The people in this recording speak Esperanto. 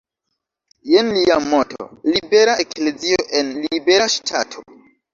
Jen lia moto: "Libera eklezio en libera Ŝtato".